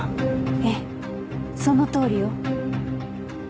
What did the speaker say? ええそのとおりよ。